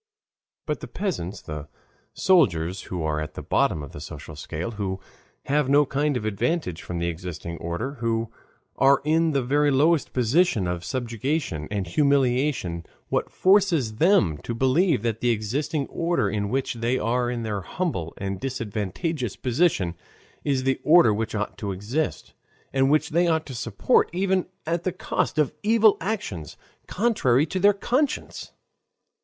But the peasants, the soldiers, who are at the bottom of the social scale, who have no kind of advantage from the existing order, who are in the very lowest position of subjection and humiliation, what forces them to believe that the existing order in which they are in their humble and disadvantageous position is the order which ought to exist, and which they ought to support even at the cost of evil actions contrary to their conscience?